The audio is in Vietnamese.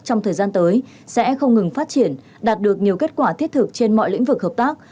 trong thời gian tới sẽ không ngừng phát triển đạt được nhiều kết quả thiết thực trên mọi lĩnh vực hợp tác